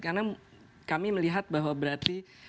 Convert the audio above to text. karena kami melihat bahwa berarti